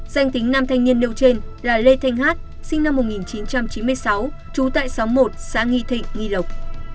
danh tính nam thanh niên nêu trên là lê thanh hát sinh năm một nghìn chín trăm chín mươi sáu trú tại xóm một xã nghi thịnh nghi lộc